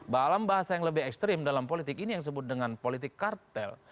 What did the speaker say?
dalam bahasa yang lebih ekstrim dalam politik ini yang disebut dengan politik kartel